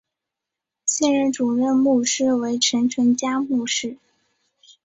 现任主任牧师为陈淳佳牧师。